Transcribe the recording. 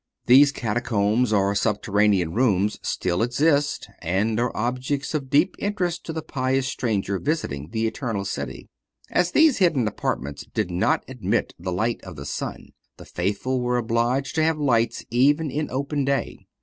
These Catacombs, or subterranean rooms, still exist, and are objects of deep interest to the pious stranger visiting the Eternal City. As these hidden apartments did not admit the light of the sun, the faithful were obliged to have lights even in open day.